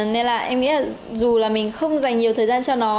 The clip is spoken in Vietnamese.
nên là em nghĩ là dù là mình không dành nhiều thời gian cho nó